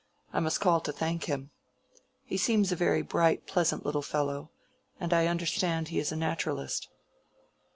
I must call to thank him. He seems a very bright pleasant little fellow. And I understand he is a naturalist."